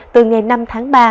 từ ngày năm tháng ba